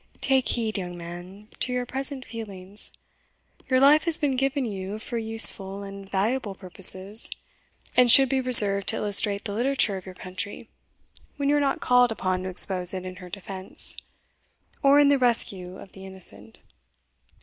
"Take heed, young man, to your present feelings. Your life has been given you for useful and valuable purposes, and should be reserved to illustrate the literature of your country, when you are not called upon to expose it in her defence, or in the rescue of the innocent.